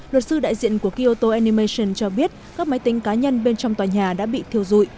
luật sư đại diện của kyoto animation cho biết các máy tính cá nhân bên trong tòa nhà đã bị thiêu dụi